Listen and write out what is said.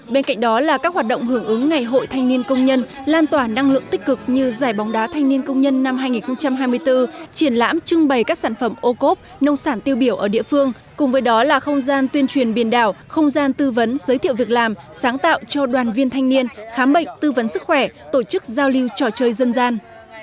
bên cạnh đó là các hoạt động hưởng ứng ngày hội thanh niên công nhân lan tỏa năng lượng tích cực như giải bóng đá thanh niên công nhân năm hai nghìn hai mươi bốn triển lãm trưng bày các sản phẩm ô cốp nông sản tiêu biểu ở địa phương cùng với đó là không gian tuyên truyền biển đảo không gian tư vấn giới thiệu việc làm sáng tạo cho đoàn viên thanh niên khám bệnh tư vấn sức khỏe tổ chức giao lưu trò chơi dân gian